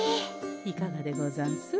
いかがでござんす？